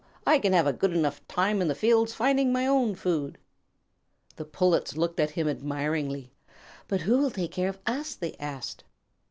I can have a good enough time in the fields finding my own food." The Pullets looked at him admiringly. "But who will take care of us?" they asked.